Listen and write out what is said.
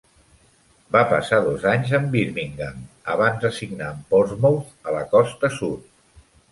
Va passar dos anys amb Birmingham abans de signar amb Portsmouth a la costa sud.